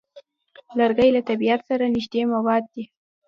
لرګی له طبیعت سره نږدې مواد دي.